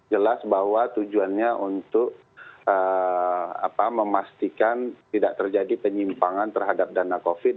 jelas bahwa tujuannya untuk memastikan tidak terjadi penyimpangan terhadap dana covid